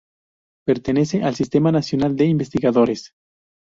Pertenece al Sistema Nacional de Investigadores.